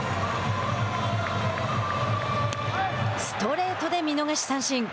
ストレートで見逃し三振。